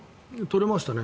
取れましたね。